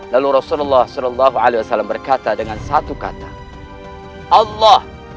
lalu rasulullah saw berkata dengan satu kata